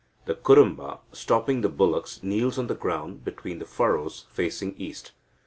The Kurumba, stopping the bullocks, kneels on the ground between the furrows, facing east.